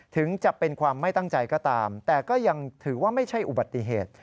ถึงจะเป็นความไม่ตั้งใจก็ตามแต่ก็ยังถือว่าไม่ใช่อุบัติเหตุ